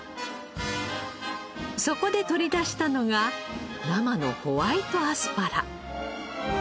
そこで取り出したのが生のホワイトアスパラ。